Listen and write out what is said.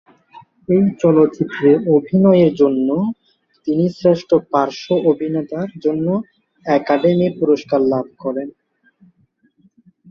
এই চলচ্চিত্রে অভিনয়ের জন্য তিনি শ্রেষ্ঠ পার্শ্ব অভিনেতার জন্য একাডেমি পুরস্কার লাভ করেন।